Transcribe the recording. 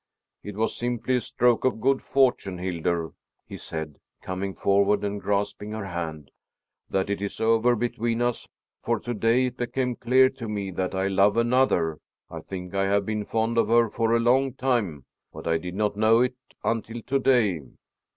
"It was simply a stroke of good fortune, Hildur," he said, coming forward and grasping her hand, "that it is over between us, for to day it became clear to me that I love another. I think I have been fond of her for a long time, but I did not know it until to day."